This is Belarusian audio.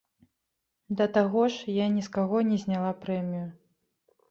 Да таго ж, я ні з каго не зняла прэмію.